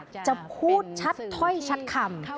จะพูดชัดถ้อยชัดคำ